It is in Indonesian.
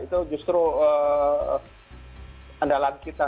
itu justru andalan kita